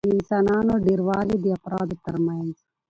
د انسانانو ډېروالي د افرادو ترمنځ